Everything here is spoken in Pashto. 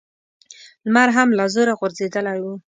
لمر هم له زوره غورځېدلی و.